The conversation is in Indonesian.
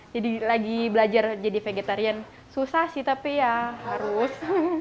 jadi lagi belajar jadi vegetarian susah sih tapi ya harus